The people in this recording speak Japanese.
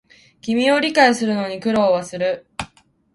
君を理解するのには苦労する